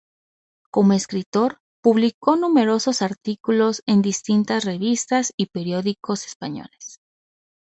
Como escritor, publicó numerosos artículos en distintas revistas y periódicos españoles.